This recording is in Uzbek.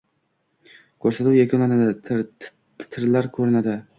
Ko‘rsatuv yakunlanadi, titrlar ko‘rinadi.